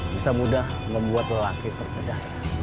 bisa mudah membuat lelaki terpeda